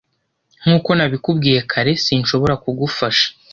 Nkuko nabikubwiye kare, sinshobora kugufasha.